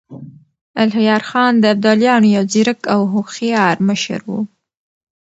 الهيار خان د ابدالیانو يو ځيرک او هوښیار مشر و.